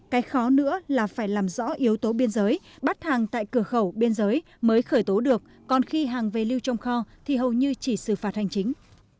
cái khó nữa là phải làm rõ yếu tố biên giới bắt hàng tại cửa khẩu biên giới mới khởi tố được còn khi hàng về lưu trong kho thì hầu như chỉ xử phạt hành chính